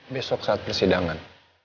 besok saat persidangan